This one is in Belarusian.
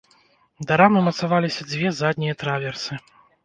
Да рамы мацаваліся дзве заднія траверсы.